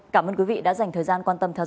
cảm ơn quý vị đã dành thời gian quan tâm theo dõi